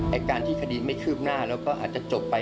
การที่คดีไม่คืบหน้าแล้วก็อาจจะจบไป